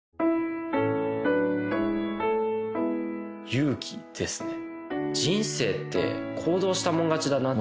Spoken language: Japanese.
勇気ですね人生って行動したもん勝ちだなって。